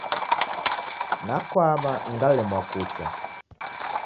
Nakwama, ngalemwa kucha.